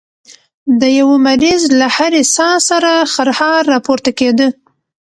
د يوه مريض له هرې ساه سره خرهار راپورته کېده.